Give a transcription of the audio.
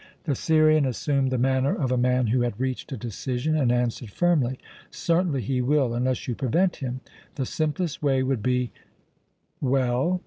The Syrian assumed the manner of a man who had reached a decision, and answered firmly: "Certainly he will, unless you prevent him. The simplest way would be " "Well?"